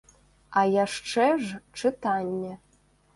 А яшчэ ж чытанне.